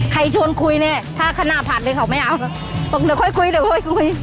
ใครชวนคุยเนี่ยถ้าคณะผัดเลยเขาไม่เอาบอกเดี๋ยวค่อยคุยเดี๋ยวค่อยคุย